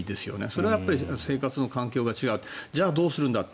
それはやっぱり生活の環境が違うじゃあどうするんだ。